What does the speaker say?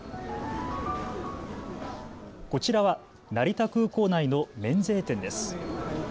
こちらは成田空港内の免税店です。